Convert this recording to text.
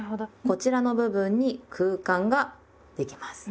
こちらの部分に空間ができます。